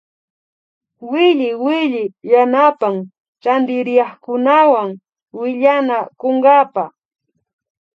Williwilli yanapan rantiriakkunawan willanakunkapa